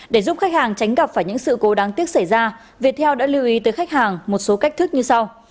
để giúp khách hàng tránh gặp phải những sự cố đáng tiếc xảy ra viettel đã lưu ý tới khách hàng một số cách thức như sau